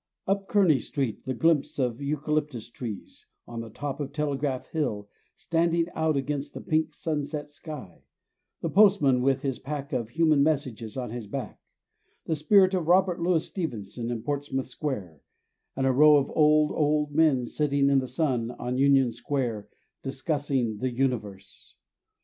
Up Kearny street the glimpse of eucalyptus trees on the top of Telegraph Hill standing out against the pink sunset sky, the postman with his pack of human messages on his back, the spirit of Robert Louis Stevenson in Portsmouth Square, and a row of old, old men sitting in the sun on Union Square discussing the Universe.